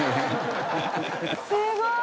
すごい。